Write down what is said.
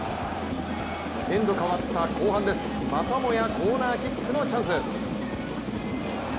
エンド変わった後半です、またもやコーナーキックのチャンス。